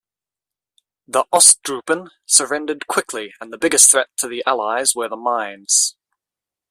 The "Osttruppen" surrendered quickly, and the biggest threat to the Allies were the mines.